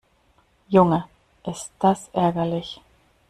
Junge, ist das ärgerlich!